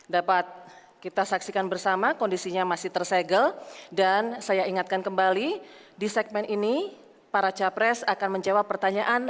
dapat kita saksikan bersama kondisinya masih tersegel dan saya ingatkan kembali di segmen ini para capres akan menjawab pertanyaan